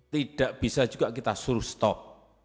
tidak bisa juga kita suruh stop